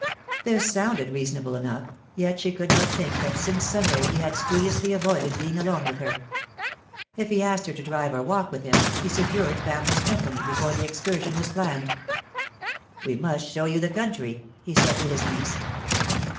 This sounded reasonable enough, yet she could but think that since Sunday he had studiously avoided being alone with her. If he asked her to drive or walk with him, he secured Pamela's company before the excursion was planned. "We must show you the country," he said to his niece.